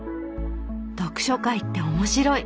読書会って面白い！